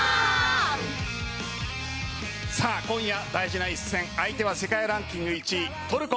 今夜、大事な一戦相手は世界ランキング１位トルコ。